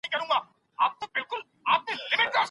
هوښيار د وخت قدر کوي